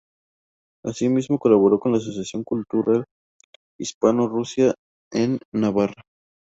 Asimismo colabora con la Asociación Cultural Hispano-Rusa en Navarra.